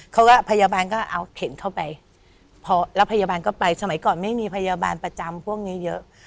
พยาบาลก็เอาเข็นเข้าไปพอแล้วพยาบาลก็ไปสมัยก่อนไม่มีพยาบาลประจำพวกนี้เยอะ